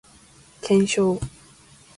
検証